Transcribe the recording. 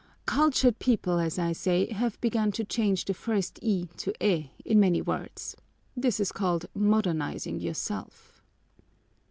cultured people, as I say, have begun to change the first i to e in many words. This is called modernizing yourself."